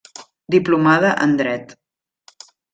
Diplomada en Dret.